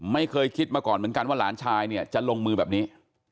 ไม่เคยคิดมาก่อนเหมือนกันว่าหลานชายเนี่ยจะลงมือแบบนี้